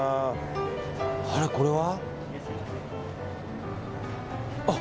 あら、これは。